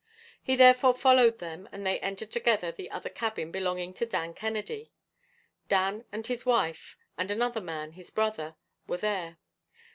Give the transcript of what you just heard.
He therefore followed them, and they entered together the other cabin belonging to Dan Kennedy. Dan and his wife, and another man, his brother, were there.